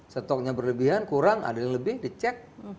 stoknya berlebihan kurang ada yang lebih dicek